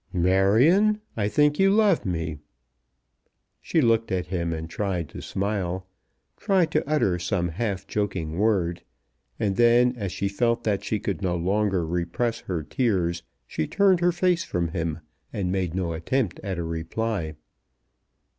"Marion, I think you love me." She looked at him and tried to smile, tried to utter some half joking word; and then as she felt that she could no longer repress her tears, she turned her face from him, and made no attempt at a reply.